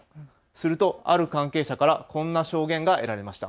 するとある関係者からこんな証言が得られました。